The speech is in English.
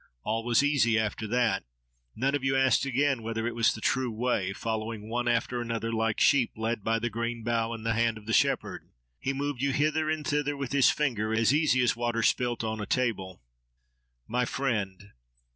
All was easy after that. None of you asked again whether it was the true way; following one after another, like sheep led by the green bough in the hand of the shepherd. He moved you hither and thither with his finger, as easily as water spilt on a table! My friend!